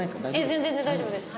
全然大丈夫です。